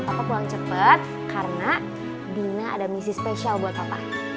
papa pulang cepet karena dina ada misi spesial buat papa